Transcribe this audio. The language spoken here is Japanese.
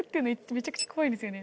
めちゃくちゃ怖いですよね